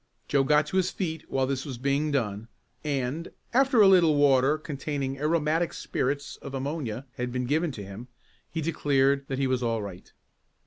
Joe got to his feet while this was being done, and, after a little water containing aromatic spirits of ammonia had been given to him, he declared that he was all right.